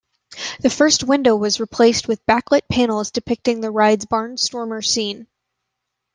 The first window was replaced with backlit panels depicting the ride's barnstormer scene.